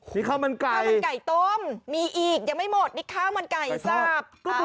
นี่ข้าวมันไก่ข้าวมันไก่ต้มมีอีกยังไม่หมดนี่ข้าวมันไก่สับ